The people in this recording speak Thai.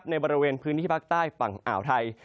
ในบริเวณพื้นที่ภาคใต้ฝั่งอ่าวไทย